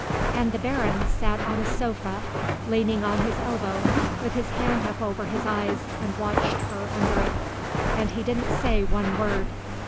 And the Baron sat on a sofa leaning on his elbow with his hand up over his eyes and watched her under it. And he didn't say one word.